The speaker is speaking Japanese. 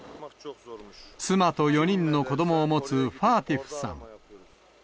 妻と４人の子どもを持つファーティフさん。